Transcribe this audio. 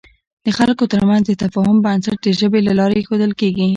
د خلکو تر منځ د تفاهم بنسټ د ژبې له لارې اېښودل کېږي.